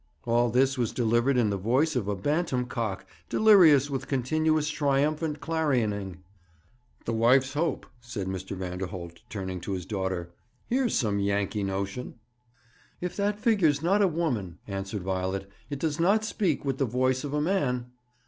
All this was delivered in the voice of a bantam cock, delirious with continuous triumphant clarioning. 'The Wife's Hope,' said Mr. Vanderholt, turning to his daughter. 'Here's some Yankee notion.' 'If that figure's not a woman,' answered Violet, 'it does not speak with the voice of a man.'